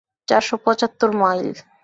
চারশো পঁচাত্তর মাইল।